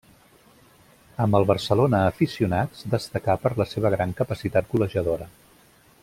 Amb el Barcelona Aficionats destacà per la seva gran capacitat golejadora.